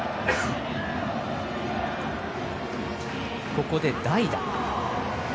ここで代打。